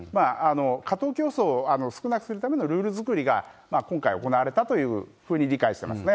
過当競争を少なくするためのルール作りが今回行われたというふうに理解してますね。